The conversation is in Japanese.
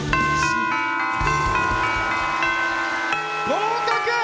合格！